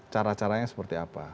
cara caranya seperti apa